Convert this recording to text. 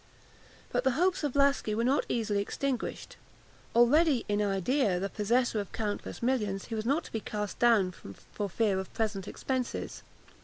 But the hopes of Laski were not easily extinguished. Already, in idea, the possessor of countless millions, he was not to be cast down for fear of present expenses.